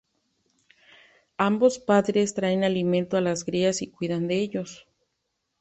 Ambos padres traen alimento a las crías y cuidan de ellos.